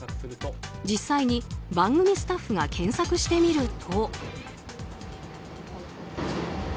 実際に番組スタッフが検索してみると。